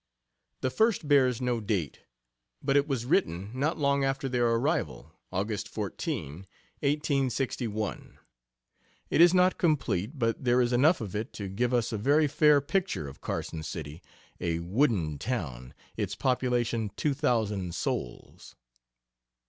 The first bears no date, but it was written not long after their arrival, August 14, 1861. It is not complete, but there is enough of it to give us a very fair picture of Carson City, "a wooden town; its population two thousand souls."